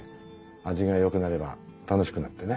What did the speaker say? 味がよくなれば楽しくなってね。